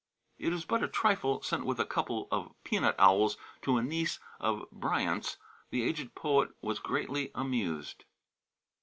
It is but a trifle, sent with a couple of peanut owls to a niece of Bryant's. The aged poet was greatly amused.